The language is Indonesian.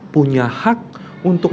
punya hak untuk